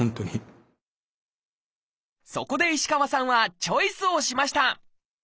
そこで石川さんはチョイスをしました！